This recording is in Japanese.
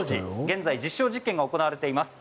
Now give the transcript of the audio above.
現在、実証実験が行われています。